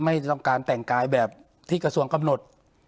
ไม่ต้องการแต่งกายแบบที่กระทรวงกำหนด